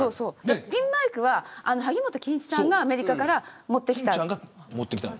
ピンマイクは萩本欽一さんがアメリカから持ってきた。